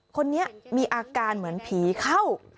คนนี้มีอาการเหมือนผีเข้า